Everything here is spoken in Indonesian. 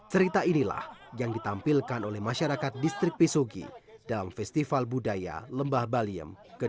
cerita inilah yang ditampilkan oleh masyarakat distrik pisugi dalam festival budaya lembah baliem ke dua puluh tujuh